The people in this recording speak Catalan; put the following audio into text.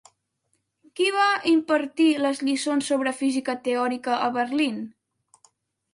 Qui va impartir les lliçons sobre física teòrica a Berlín?